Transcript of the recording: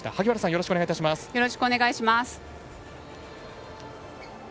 よろしくお願いします。